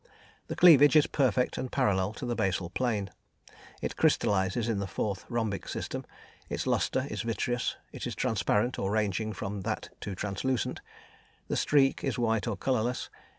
The cleavage is perfect and parallel to the basal plane. It crystallises in the 4th (rhombic) system; in lustre it is vitreous; it is transparent, or ranging from that to translucent; the streak is white or colourless.